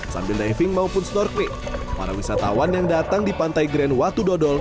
sambil diving maupun snorkeling para wisatawan yang datang di pantai grand watu dodol